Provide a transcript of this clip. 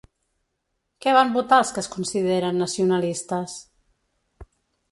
Què van votar els que es consideren nacionalistes?